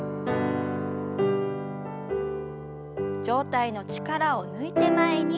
上体の力を抜いて前に。